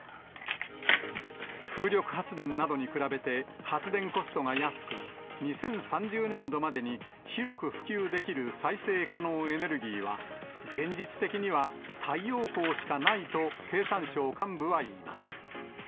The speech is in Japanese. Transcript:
風力発電などに比べて、発電コストが安く、２０３０年度までに広く普及できる再生可能エネルギーは、現実的には太陽光しかないと、経産省幹部はいいます。